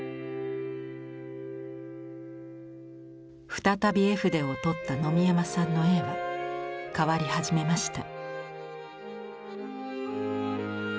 再び絵筆をとった野見山さんの絵は変わり始めました。